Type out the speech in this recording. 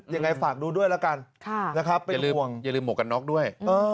ยังไงฝากดูด้วยละกันนะครับไปดูห่วงอย่าลืมหมกกันน็อกด้วย